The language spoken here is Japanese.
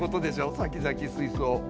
さきざき水槽。